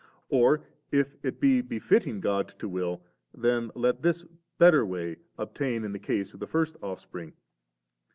Or if it be befitting God to will, then let this better way obtain in the case of the first Offspring.